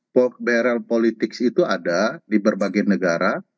bok berel politik itu ada di berbagai negara